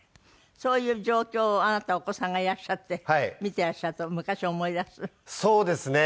そういう状況をあなたお子さんがいらっしゃって見てらっしゃると昔を思い出す？